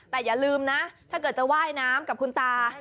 แต่อย่าลืมนะถ้าเกิดจะว่ายน้ำกับคุณตา